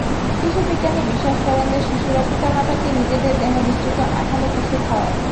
কিছু বিজ্ঞানী বিশ্বাস করেন যে শিশুরা পিতামাতাকে নিজেদের দেহনিঃসৃত আঠালো কিছু খাওয়ায়।